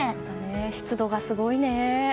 湿度がすごいね。